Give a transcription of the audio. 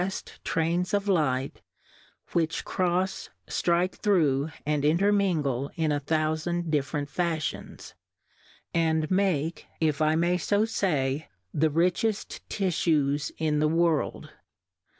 107 and vaft Trains of Light which crofs, ftrike thro\ and intermingle in a thou fand different Fadiions, and make ( if I may fo fay,) the richeft TilTues in the World.